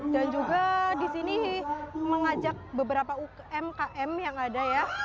dan juga disini mengajak beberapa umkm yang ada ya